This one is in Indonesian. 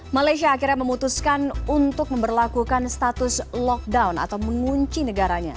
malaysia akhirnya memutuskan untuk memperlakukan status lockdown atau mengunci negaranya